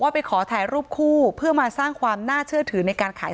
ไปขอถ่ายรูปคู่เพื่อมาสร้างความน่าเชื่อถือในการขาย